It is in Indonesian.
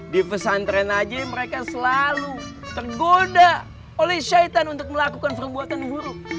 di pesantren aja mereka selalu tergoda oleh syaitan untuk melakukan perbuatan buruk